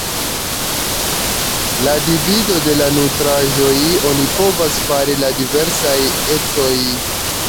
La divido de la nutraĵoj oni povas fari la diversaj ecoj.